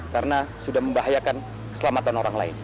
karena sudah membahayakan keselamatan orang lain